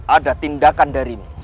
ada tindakan darimu